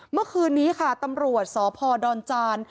เมื่อคืนนี้ค่ะตำรวจสพดอนจาน